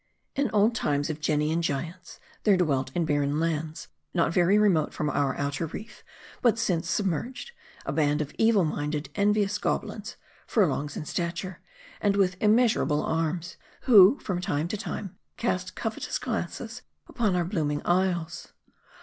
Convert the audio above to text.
" In old times .of genii and giants,, there dwelt in bar ren lands, not very remote from our outer reef, but since submerged, a band of evil minded, envious goblins, furlongs in stature, and with immeasurable arms ; who from time to time cast covetous glances upon our blooming isles.